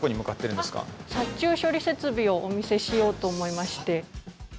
殺虫処理設備をお見せしようと思いまして。